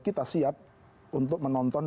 kita siap untuk menonton